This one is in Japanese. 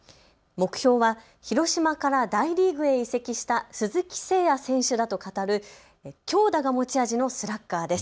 目標は広島から大リーグへ移籍した鈴木誠也選手だと語る強打が持ち味のスラッガーです。